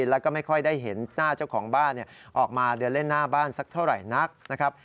แล้วก็ไม่ค่อยได้เห็นหน้าเจ้าของบ้านออกมาเดินเล่นหน้าบ้านสักเท่าไหร่นักนะครับ